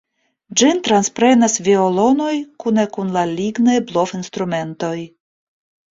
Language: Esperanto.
Ĝin transprenas violonoj kune kun la lignaj blovinstrumentoj.